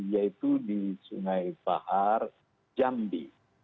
yaitu di sungai bahar jambi